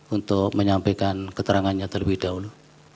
untuk menyampaikan keterangannya terlebih dahulu